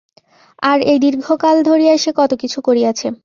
আর এই দীর্ঘকাল ধরিয়া সে কত কিছু করিয়াছে।